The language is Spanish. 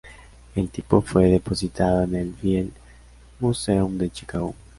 El tipo fue depositado en el Field Museum de Chicago.